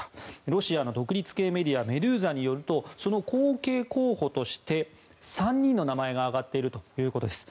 ロシアの独立系メディアメドゥーザによるとその後継候補として３人の名前が挙がっているということです。